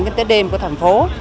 đến đêm của thành phố